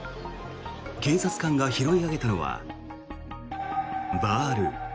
警察官が拾い上げたのはバール。